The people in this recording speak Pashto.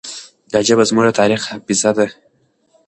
دا ژبه زموږ د تاریخ حافظه ده.